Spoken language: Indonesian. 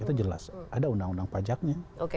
itu jelas ada undang undang pajaknya